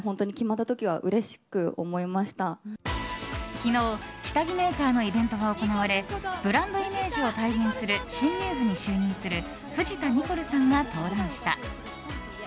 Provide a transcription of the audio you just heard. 昨日、下着メーカーのイベントが行われブランドイメージを体現する新ミューズに就任する藤田ニコルさんが登壇した。